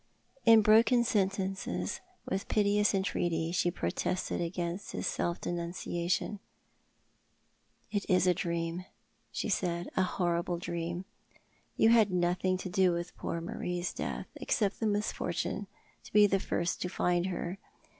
In broken sentences, with piteous entreaty, she protested against his self denunciation. "It is a dream," she said; "a horrible dream. You had nothing to do with poor Marie's death— except the misfortune to be the first to find her.